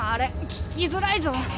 聞きづらいぞ。